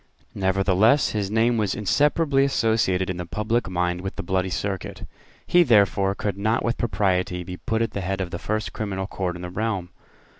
Nevertheless his name was inseparably associated in the public mind with the Bloody Circuit. He, therefore, could not with propriety be put at the head of the first criminal court in the realm.